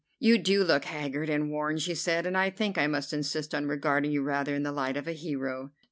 "You do look haggard and worn," she said; "and I think I must insist on regarding you rather in the light of a hero."